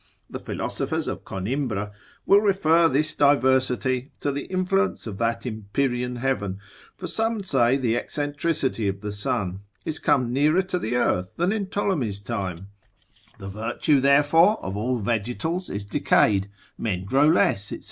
the philosophers of Conimbra, will refer this diversity to the influence of that empyrean heaven: for some say the eccentricity of the sun is come nearer to the earth than in Ptolemy's time, the virtue therefore of all the vegetals is decayed, men grow less, &c.